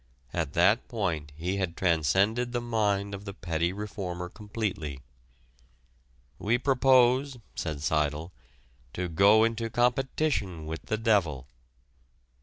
At that point he had transcended the mind of the petty reformer completely. "We propose," said Seidel, "to go into competition with the devil."